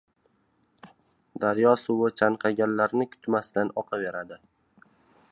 • Daryo suvi chanqaganlarni kutmasdan oqaveradi.